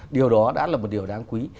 điều đó đã là một điều đáng quý